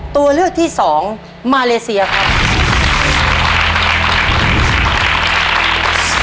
ตัวเลือกที่สองมาเลเซียครับ